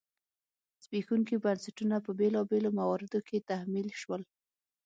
زبېښونکي بنسټونه په بېلابېلو مواردو کې تحمیل شول.